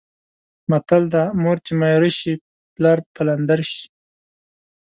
متل دی: مور چې میره شي پلار پلندر شي.